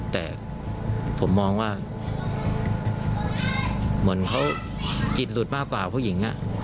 แต่ผมมองว่าเหมือนเขาจิตหลุดมากกว่าผู้หญิง